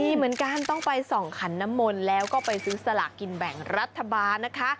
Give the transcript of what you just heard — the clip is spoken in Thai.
ดีเหมือนกันต้องไปส่องขันน้ำมนต์แล้วก็ไปซื้อสลากกินแบ่งรัฐบาลนะคะ